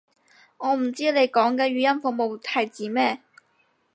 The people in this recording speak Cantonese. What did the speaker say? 我唔知你講嘅語音服務係指咩